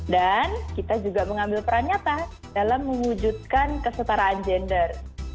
dan kita juga mengambil peran nyata dalam mewujudkan kesetaraan gender